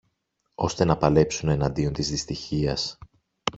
ώστε να παλέψουν εναντίον της δυστυχίας